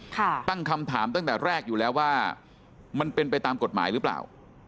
ตั้งคำถามตั้งแต่แรกอยู่แล้วว่ามันเป็นไปตามกฎหมายหรือเปล่า